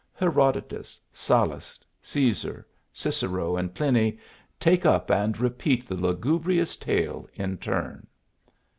Herodotus, Sallust, Caesar, Cicero, and Pliny take up and repeat the lugubrious tale in turn.